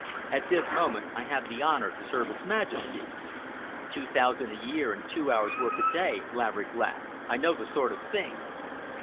At this moment I have the honor to serve His Majesty." "Two thousand a year and two hours work a day," Laverick laughed. "I know the sort of thing."